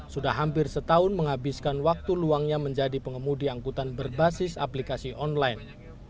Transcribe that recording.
sudah hampir setahun menghabiskan waktu luangnya menjadi pengemudi angkutan berbasis aplikasi online